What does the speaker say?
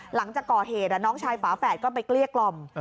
หลังจากก่อเหตุน้องชายฝาแฝดก็ไปเกลี้ยกล่อม